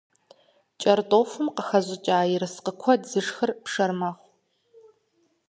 КӀэртӀофым къыхэщӀыкӀа ерыскъы куэд зышхыр пшэр мэхъу.